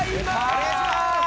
お願いしまーす！